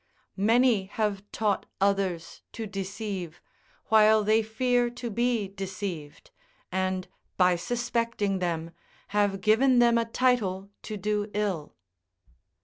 ["Many have taught others to deceive, while they fear to be deceived, and, by suspecting them, have given them a title to do ill."